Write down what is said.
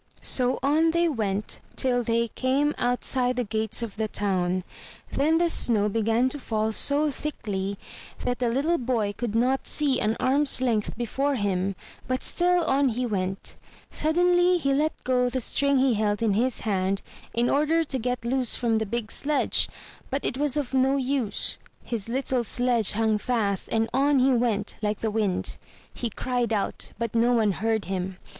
So on they went till they came out side the gates of the town. Then the snow began to fall so thickly, that the little boy could not see an arm's length before him, but still on he went; suddenly he let go the string he held in his hand in order to get loose from the big sled*ge, but it was of no use; his little sledge hung fast and on he went like the wind. He cried out, but no one heard him.